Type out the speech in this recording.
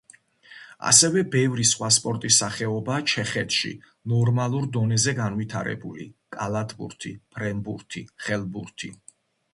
ასევე ბევრი სხვა სპორტის სახეობაა ჩეხეთში ნორმალურ დონეზე განვითარებული: კალათბურთი, ფრენბურთი, ხელბურთი.